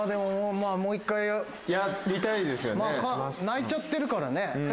泣いちゃってるからね。